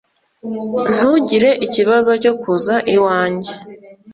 Ntugire ikibazo cyo kuza iwanjye